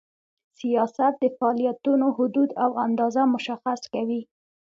سیاست د فعالیتونو حدود او اندازه مشخص کوي.